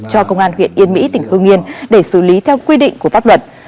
cho công an huyện yên mỹ tỉnh hương yên để xử lý theo quy định của pháp luật